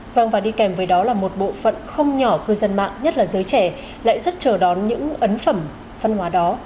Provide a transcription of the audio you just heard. vâng và đi kèm với đó là một bộ phận không nhỏ cư dân mạng nhất là giới trẻ lại rất chờ đón những ấn phẩm văn hóa đó